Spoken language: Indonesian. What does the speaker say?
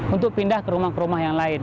untuk pindah ke rumah ke rumah yang lain